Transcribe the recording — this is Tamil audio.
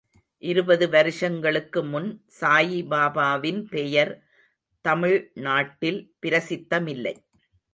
இருபது வருஷங்களுக்கு முன் சாயிபாபாவின் பெயர் தமிழ் நாட்டில் பிரசித்தமில்லை.